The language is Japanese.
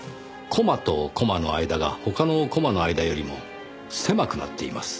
コマとコマの間が他のコマの間よりも狭くなっています。